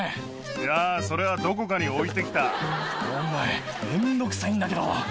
いやあ、それはどこかに置いお前、めんどくさいんだけど。